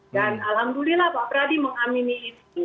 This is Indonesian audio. dan alhamdulillah pak radhi mengamini itu